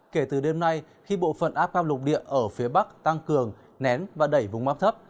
kể từ đêm nay khi bộ phận áp cao lục địa ở phía bắc tăng cường nén và đẩy vùng áp thấp